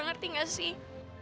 ngerti nggak sih